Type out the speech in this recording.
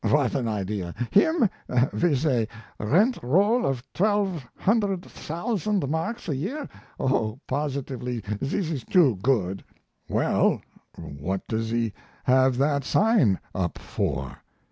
"What an idea! Him! With a rent roll of twelve hundred thousand marks a year? Oh, positively this is too good." "Well, what does he have that sign up for?"